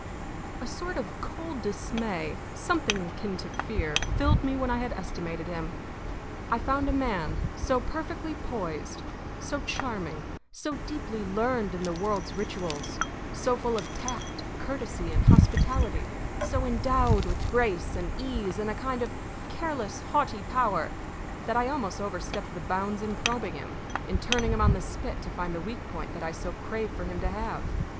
A sort of cold dismay something akin to fear filled me when I had estimated him. I found a man so perfectly poised, so charming, so deeply learned in the world's rituals, so full of tact, courtesy, and hospitality, so endowed with grace and ease and a kind of careless, haughty power that I almost overstepped the bounds in probing him, in turning him on the spit to find the weak point that I so craved for him to have.